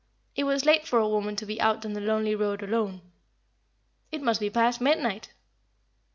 It was late for a woman to be out on the lonely road alone. It must be past midnight.